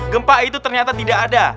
gempa itu ternyata tidak ada